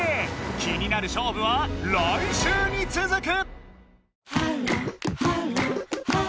気になる勝負は来週につづく！